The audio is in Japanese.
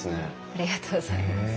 ありがとうございます。